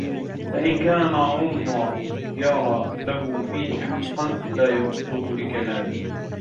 لَئِنْ كَانَ عُمَرُ يَرَى لَهُ فِيهِ حَقًّا لَا يَرُدُّهُ لِكَلَامِي